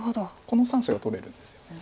この３子が取れるんですよね。